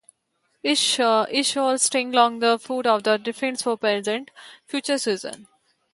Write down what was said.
A sea wall stretches along the foot of the cliffs to prevent further erosion.